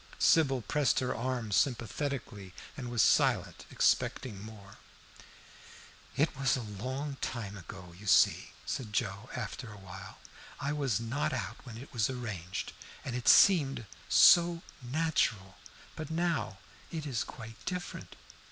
Sybil pressed her arm sympathetically and was silent, expecting more. "It was such a long time ago, you see," said Joe, after a while. "I was not out when it was arranged, and it seemed so natural. But now it is quite different."